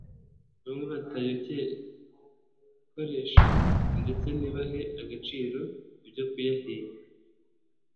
bamwe batayakoresha ndetse ntibahe agaciro ibyo kuyahinga